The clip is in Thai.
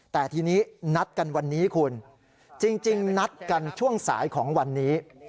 แต่ทีนี้นัดกันวันนี้คุณจริงนัดกันช่วงสายของวันนี้